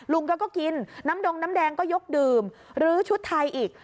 ลุงก็กินน้ำดงน้ำแดงก็ยกดื่มลื้อชุดไทยอีก